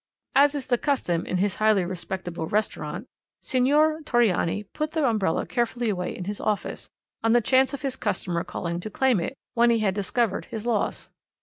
As is the custom in his highly respectable restaurant, Signor Torriani put the umbrella carefully away in his office, on the chance of his customer calling to claim it when he had discovered his loss.